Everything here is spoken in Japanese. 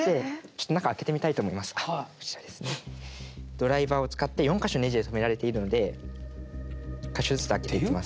ドライバーを使って４か所ネジで止められているので１か所ずつ開けていきます。